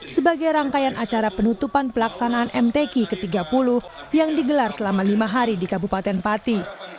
sebagai rangkaian acara penutupan pelaksanaan mtk ke tiga puluh yang digelar selama lima hari di kabupaten pati